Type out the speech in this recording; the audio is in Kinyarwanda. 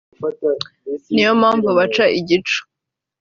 ni yo mpamvu baca igico